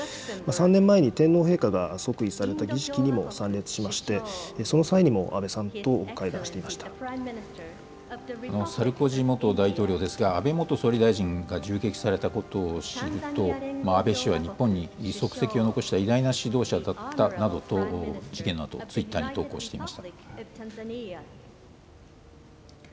３年前に天皇陛下が即位された儀式にも参列しまして、その際にもサルコジ元大統領ですが、安倍元総理大臣が銃撃されたことを知ると、安倍氏は日本に足跡を残した偉大な指導者だったなどと、事件のあと、ツイッターに投稿していました。